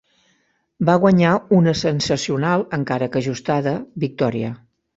Va guanyar una sensacional, encara que ajustada, victòria